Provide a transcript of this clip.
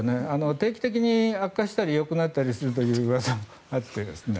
定期的に悪化したりよくなったりするといううわさもあって。